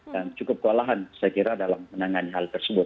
dan cukup kewalahan saya kira dalam menangani hal tersebut